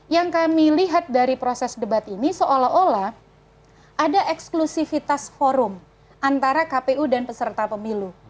yang kami lihat dari proses debat ini seolah olah ada eksklusifitas forum antara kpu dan peserta pemilu